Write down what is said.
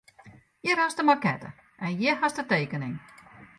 Hjir hast de makette en hjir hast de tekening.